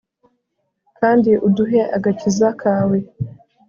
kandi uduhe agakiza kawe